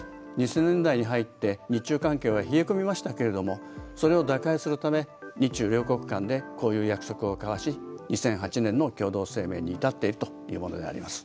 ２０００年代に入って日中関係は冷え込みましたけれどもそれを打開するため日中両国間でこういう約束を交わし２００８年の共同声明に至っているというものであります。